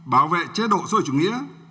bảo vệ chế độ sôi chủ nghĩa